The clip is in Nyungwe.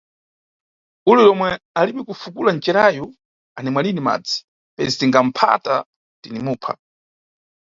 Ule yomwe alibe kufukula ncerayu animwa lini madzi, pezi tinga phata, tini mupha.